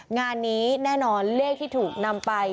งานนี้แน่นอนเลขที่ถูกนำไป